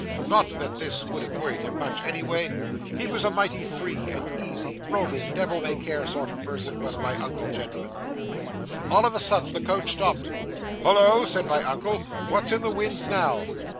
Not that this would have worried him much, anyway he was a mighty free and easy, roving, devil may care sort of person, was my uncle, gentlemen. 'All of a sudden the coach stopped. "Hollo!" said my uncle, "what's in the wind now?"